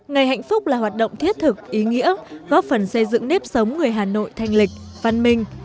ngày hạnh phúc là hoạt động thiết thực ý nghĩa góp phần xây dựng nếp sống người hà nội thanh lịch văn minh